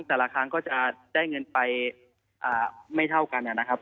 แต่ละครั้งก็จะได้เงินไปไม่เท่ากันนะครับ